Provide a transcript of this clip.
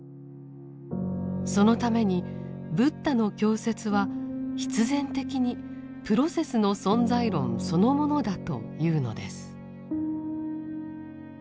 そのためにブッダの教説は必然的に「プロセスの存在論」そのものだというのです。